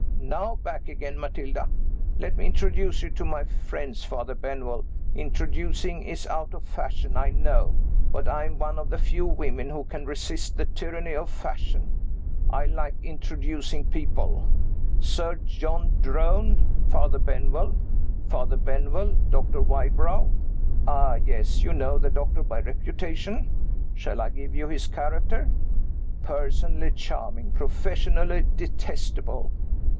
Now back again, Matilda. Let me introduce you to my friends, Father Benwell. Introducing is out of fashion, I know. But I am one of the few women who can resist the tyranny of fashion. I like introducing people. Sir John Drone Father Benwell. Father Benwell Doctor Wybrow. Ah, yes, you know the doctor by reputation? Shall I give you his character? Personally charming; professionally detestable.